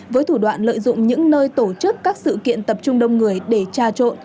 với thủ đoạn lợi dụng những nơi tổ chức các sự kiện tập trung đông người để tra trộn